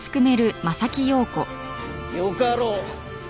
よかろう。